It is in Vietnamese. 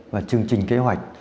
và chương trình kế hoạch